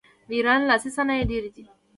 د ایران لاسي صنایع ډیر دي.